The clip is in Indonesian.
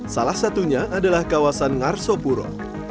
salah satunya adalah kawasan ngarso puro